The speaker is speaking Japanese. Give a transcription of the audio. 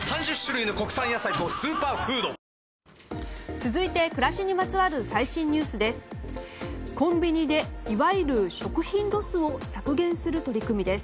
続いて暮らしにまつわる最新ニュースです。